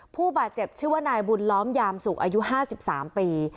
ผู้บาดเจ็บชื่อว่านายบุญล้อมยามสุกอายุ๕๓ปี